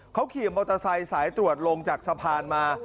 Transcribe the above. เขาขี่มอเตอร์ไซค์สายตรวจลงจากสะพานมา